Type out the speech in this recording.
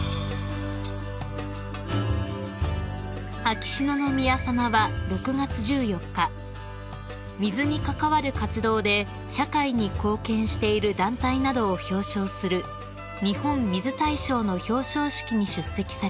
［秋篠宮さまは６月１４日水に関わる活動で社会に貢献している団体などを表彰する日本水大賞の表彰式に出席されました］